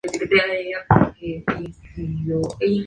Discusiones en torno al Derecho Judicial.